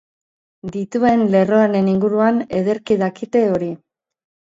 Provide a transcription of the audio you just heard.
Dituen lerroaren inguruan ederki dakite hori.